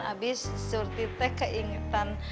abis surti teh keingetan